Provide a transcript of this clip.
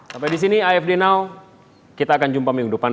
sampai disini afd now kita akan jumpa minggu depan